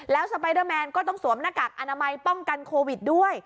แล้วสไปเดอร์แมนก็ต้องสวมหน้ากากอนามัยป้องกันโควิดด้วย